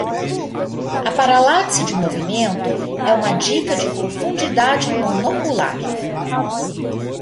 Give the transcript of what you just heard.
A paralaxe de movimento é uma dica de profundidade monocular.